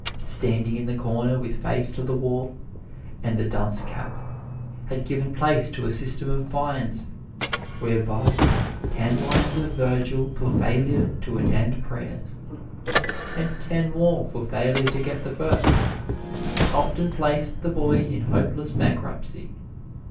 Standing in the corner with face to the wall, and the dunce cap, had given place to a system of fines, whereby "ten lines of Vergil for failure to attend prayers," and ten more for failure to get the first, often placed the boy in hopeless bankruptcy.